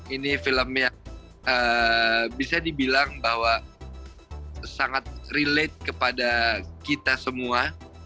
ini film yang bisa dibilang bahwa sangat relate kepada kita semua